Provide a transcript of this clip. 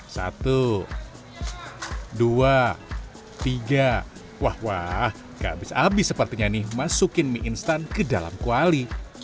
satu dua tiga wah wah gak abis abis sepertinya nih masukin mie instan ke dalam kuali